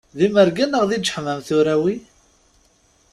D imerga neɣ d iǧeḥmam tura wi?